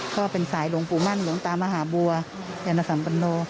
ก็เป็นสายหลวงปู่มั่นหลวงตามหาบัวยานสัมปันโน